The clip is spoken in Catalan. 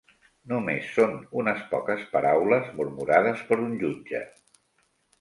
Només són unes poques paraules murmurades per un jutge.